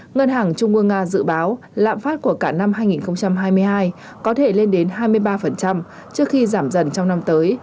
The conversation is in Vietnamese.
ngân hàng trung ương nga dự báo lạm phát của cả năm hai nghìn hai mươi hai có thể lên đến hai mươi ba trước khi giảm dần trong năm tới